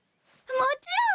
もちろん！